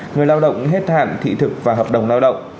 người lao động hết hạn thị thực và hợp đồng lao động